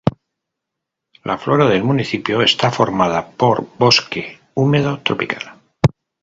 La flora del municipio está formada por bosque húmedo tropical.